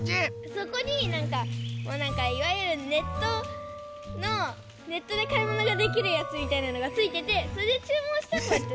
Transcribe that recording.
そこになんかいわゆるネットのネットでかいものができるやつみたいなのがついててそれでちゅうもんしてこうやって。